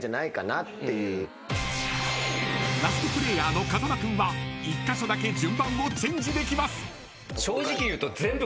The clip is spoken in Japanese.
［ラストプレーヤーの風間君は１カ所だけ順番をチェンジできます］